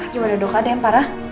gimana dok ada yang parah